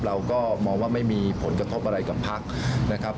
เราก็มองว่าไม่มีผลกระทบอะไรกับพักนะครับ